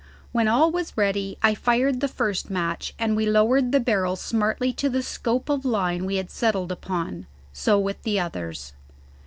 When all was ready I fired the first match, and we lowered the barrel smartly to the scope of line we had settled upon; so with the others.